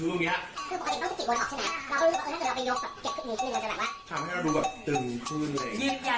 ยืนยันศัลยากรรมไม่ใช่เรื่องผิด